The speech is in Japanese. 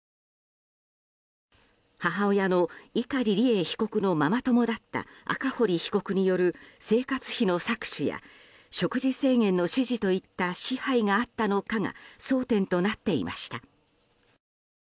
母親の碇利恵被告のママ友だった赤堀被告による生活費の搾取や食事制限の指示といった支配があったのかが争点となっていました。